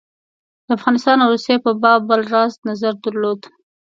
د افغانستان او روسیې په باب بل راز نظر درلود.